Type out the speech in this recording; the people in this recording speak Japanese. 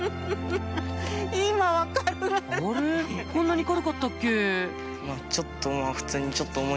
こんなに軽かったっけ？